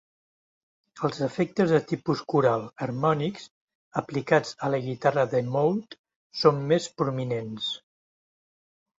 Els efectes de tipus coral, harmònics, aplicats a la guitarra de Mould són més prominents.